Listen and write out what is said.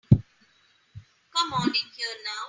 Come on in here now.